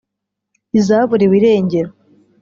izaburiwe irengero